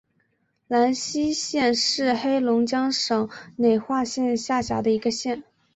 兰西县是黑龙江省绥化市下辖的一个县。